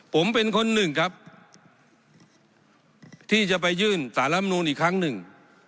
ผมเป็นคนหนึ่งครับที่จะไปยื่นสารรับนูนอีกครั้งหนึ่ง